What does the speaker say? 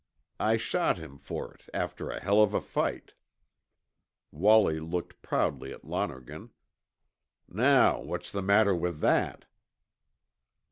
I shot him for it after a hell of a fight." Wallie looked proudly at Lonergan. "Now what's the matter with that?"